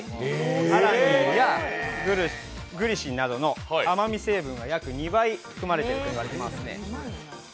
アラニンやグリシンなどの甘み成分が約２倍含まれているといわれています。